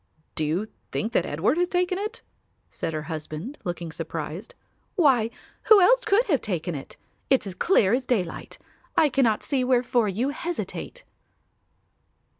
"Do you think that Edward has taken it?" said her husband, looking surprised. "Why, who else could have taken it? It's as clear as daylight. I cannot see wherefore you hesitate."